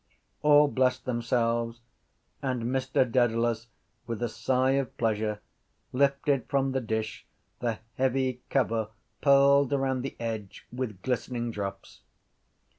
_ All blessed themselves and Mr Dedalus with a sigh of pleasure lifted from the dish the heavy cover pearled around the edge with glistening drops.